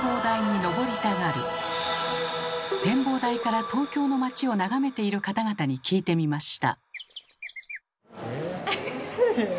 展望台から東京の街を眺めている方々に聞いてみました。